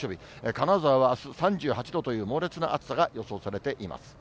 金沢はあす、３８度という猛烈な暑さが予想されています。